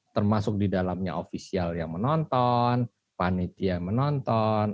termasuk di dalamnya ofisial yang menonton panitia yang menonton